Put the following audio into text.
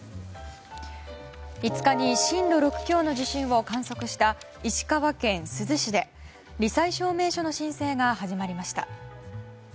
５日に震度６強の地震を観測した石川県珠洲市で罹災証明書の申請が始まりました。